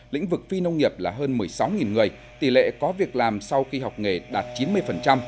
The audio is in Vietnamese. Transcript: lĩnh vực phi nông nghiệp là hơn một mươi sáu người tỷ lệ có việc làm sau khi học nghề đạt chín mươi